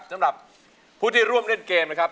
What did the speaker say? สำหรับผู้ที่ร่วมเล่นเกมนะครับ